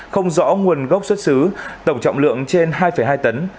không rõ nguồn gốc xuất xứ tổng trọng lượng trên hai hai tấn